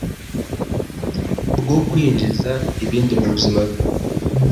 bwo kwinjiza ibindi mu buzima bwe.